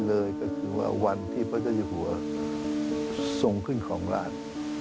เลยก็คือว่าวันที่พระเจ้าอยู่หัวทรงขึ้นของราช